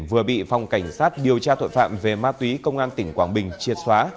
vừa bị phòng cảnh sát điều tra tội phạm về ma túy công an tỉnh quảng bình triệt xóa